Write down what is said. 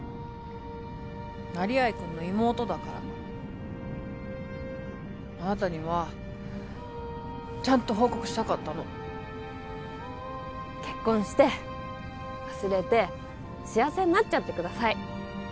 成合くんの妹だからあなたにはちゃんと報告したかったの結婚して忘れて幸せになっちゃってください